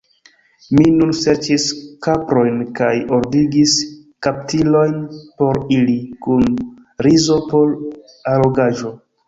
Mi nun serĉis kaprojn, kaj ordigis kaptilojn por ili, kun rizo por allogaĵo.